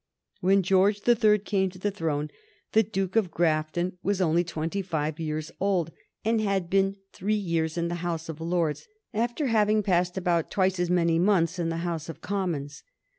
When George the Third came to the throne the Duke of Grafton was only twenty five years old, and had been three years in the House of Lords, after having passed about twice as many months in the House of Commons.